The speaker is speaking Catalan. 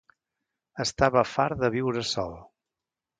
Estava fart de viure sol.